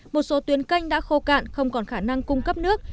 một số tuyến canh đã khô cạn không còn khả năng cung cấp nước